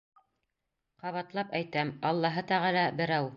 Ҡабатлап әйтәм: Аллаһы Тәғәлә — берәү.